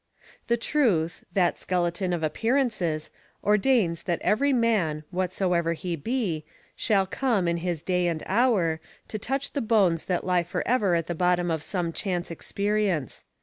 The truth, that skeleton of appearances, ordains that every man, whatsoever he be, shall come, in his day and hour, to touch the bones that lie forever at the bottom of some chance experience.